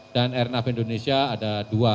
dan airnav indonesia ada dua